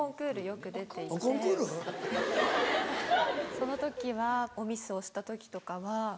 その時はおミスをした時とかは。